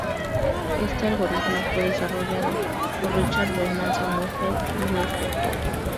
Este algoritmo fue desarrollado por Richard Bellman, Samuel End y Lester Ford.